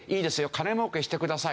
金儲けしてください。